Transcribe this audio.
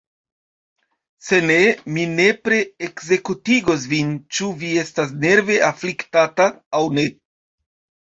Se ne, mi nepre ekzekutigos vin, ĉu vi estas nerve afliktata, aŭ ne.